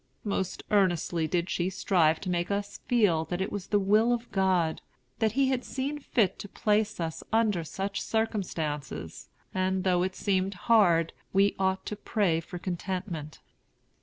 Most earnestly did she strive to make us feel that it was the will of God; that He had seen fit to place us under such circumstances, and though it seemed hard, we ought to pray for contentment.